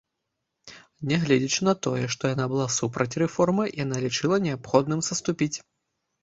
Нягледзячы на тое, што яна была супраць рэформы, яна лічыла неабходным саступіць.